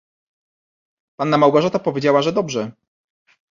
"Panna Małgorzata powiedziała, że dobrze."